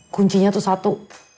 kuncinya tuh satu